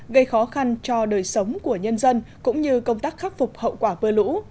gây khó khăn cho đời sống của nhân dân cũng như công tác khắc phục hậu quả mưa lũ